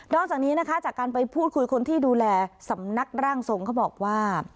จากนี้นะคะจากการไปพูดคุยคนที่ดูแลสำนักร่างทรงเขาบอกว่า